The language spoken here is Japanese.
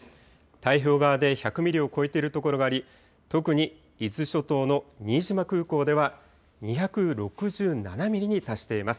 太平洋側で１００ミリを超えているところがあり、特に伊豆諸島の新島空港では２６７ミリに達しています。